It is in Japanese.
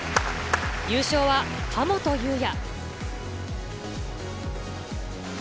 優勝は神本雄也。